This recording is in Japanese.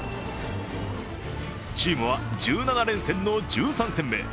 チームは１７連戦の１３戦目。